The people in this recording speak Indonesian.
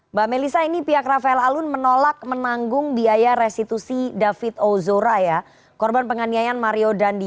mbak melisa ini pihak rafael alun menolak menanggung biaya restitusi david ozora ya korban penganiayaan mario dandi